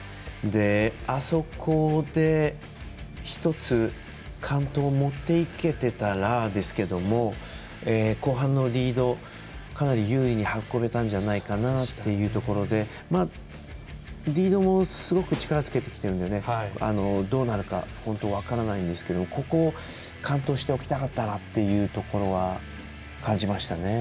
あそこで１つ、完登を持っていけてたらですけども後半のリード、かなり優位に運べたんじゃないかなというところでリードもすごく力をつけてきてどうなるか、本当分からないんですけども、ここ完登しておきたかったなっていう感じでしたね。